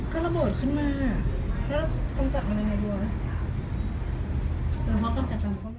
ขอบคุณทุกคนที่ช่วยด้วยค่ะขอบคุณทุกคนที่ช่วยด้วยค่ะ